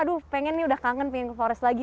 aduh pengen nih udah kangen pengen ke forest lagi